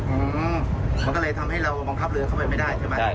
อืมมันก็เลยทำให้เราบังคับเรือเข้าไปไม่ได้ใช่ไหม